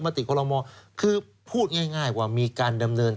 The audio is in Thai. ติคอลโมคือพูดง่ายว่ามีการดำเนิน